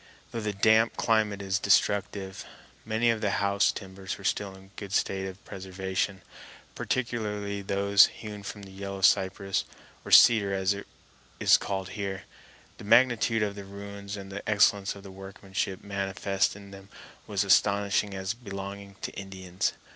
Though the damp climate is destructive, many of the house timbers were still in a good state of preservation, particularly those hewn from the yellow cypress, or cedar as it is called here. The magnitude of the ruins and the excellence of the workmanship manifest in them was astonishing as belonging to Indians.